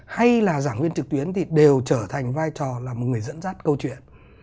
hay là giảng viên trực tuyến thì đều trở thành vai trò là một người dẫn dắt câu chuyện